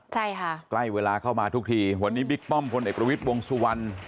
ใช่ค่ะใกล้เวลาเข้ามาทุกทีวันนี้บิ๊กป้อมพลเอกประวิทย์วงสุวรรณ